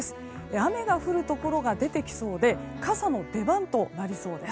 雨が降るところが出てきそうで傘の出番となりそうです。